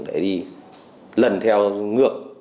để đi lần theo ngược